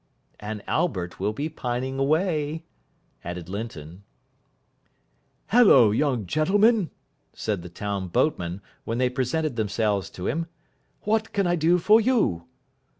"And Albert will be pining away," added Linton. "Hullo, young gentlemen," said the town boatman, when they presented themselves to him, "what can I do for you?"